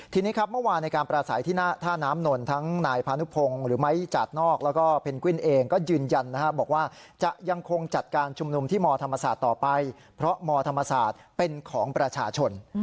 ทีนี้ครับเมื่อวานในการประสัยที่หน้าท่าน้ำนนทั้งนายพานุพงศ์หรือไม้จาดนอกแล้วก็เพนกวินเองก็ยืนยันบอกว่าจะยังคงจัดการชุมนุมที่มธรรมศาสตร์ต่อไปเพราะมธรรมศาสตร์เป็นของประชาชน